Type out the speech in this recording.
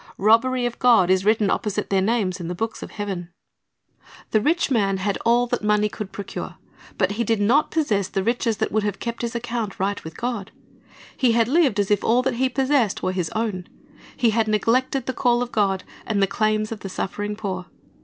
Robbery of God is written opposite their names in the books of heaven. ' Luke l6 : lO "A Great Gulf Fixed'' 267 The rich man had all that money could procure, but he did not possess the riches that would have kept his account right with God. He had lived as if all that he possessed were his own. He had neglected the call of God and the claims of the suffering poor.